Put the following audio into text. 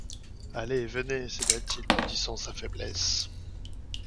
Allez, venez, céda-t-il, maudissant sa faiblesse.